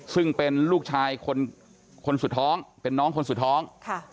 ซึ่งเป็นลูกชายคนสุดท้องเป็นน้องคนสุดท้อง